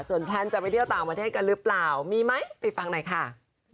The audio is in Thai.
แพลนจะไปเที่ยวต่างประเทศกันหรือเปล่ามีไหมไปฟังหน่อยค่ะ